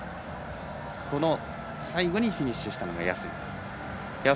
この最後にフィニッシュしたのが安野です。